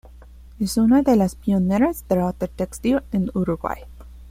Es una de las pioneras del arte textil en Uruguay.